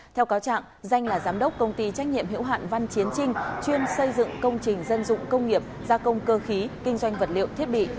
theo cáo trạng danh là giám đốc công ty trách nhiệm hiệu hạn văn chiến trinh chuyên xây dựng công trình dân dụng công nghiệp gia công cơ khí kinh doanh vật liệu thiết bị